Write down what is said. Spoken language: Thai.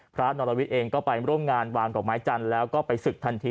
นรวิทย์เองก็ไปร่วมงานวางดอกไม้จันทร์แล้วก็ไปศึกทันที